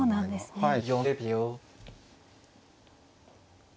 はい。